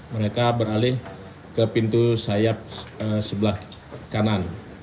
mereka beralih ke pintu sayap sebelah kanan